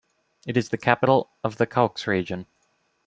It is the capital of the Caux region.